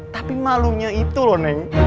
tapi malunya itu loh neng